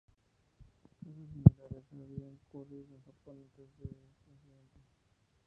Casos similares habían ocurrido en Japón antes de este incidente.